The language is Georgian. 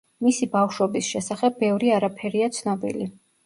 მისი ბავშვობის შესახებ ბევრი არაფერია ცნობილი.